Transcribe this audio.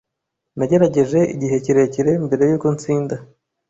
Nagerageje igihe kirekire mbere yuko ntsinda.